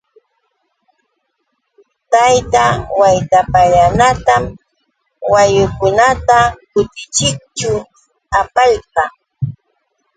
Tayta Waytapallanatam wayukunata kutichiyćhu apalqaa.